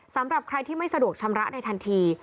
สำหรับใครที่ไม่สะดวกชำระในทันที